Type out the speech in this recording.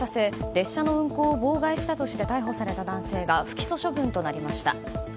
列車の運行を妨害したとして逮捕された男性が不起訴処分となりました。